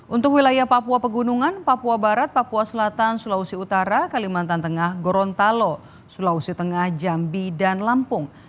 untuk wilayah papua pegunungan papua barat papua selatan sulawesi utara kalimantan tengah gorontalo sulawesi tengah jambi dan lampung